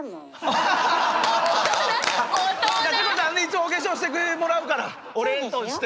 一応お化粧してもらうからお礼として。